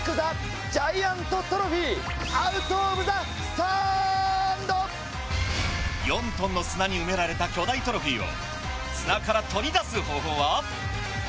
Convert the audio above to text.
さらに４ｔの砂に埋められた巨大トロフィーを砂から取り出す方法は？